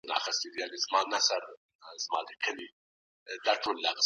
د هیواد پرمختګ د ټولو وګړو ګډ مسؤلیت دی.